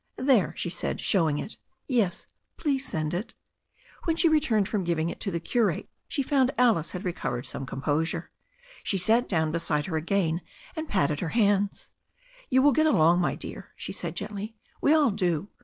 "There," she said, showing it. "Yes, please send it." When she returned from giving it to the curate she found Alice had recovered some composure. She sat down beside her again, and patted her hands. "You will get along, my dear," she said gently. "We all do.